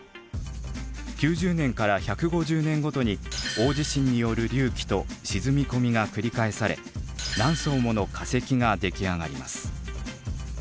９０年から１５０年ごとに大地震による隆起と沈み込みが繰り返され何層もの化石が出来上がります。